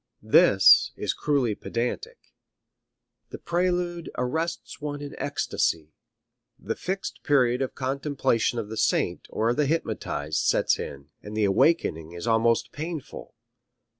This is cruelly pedantic. The prelude arrests one in ecstasy; the fixed period of contemplation of the saint or the hypnotized sets in, and the awakening is almost painful.